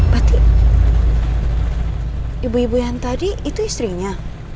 berarti ibu ibu yang tadi itu istrinya